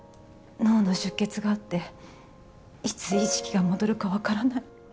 脳の出血があっていつ意識が戻るかわからない。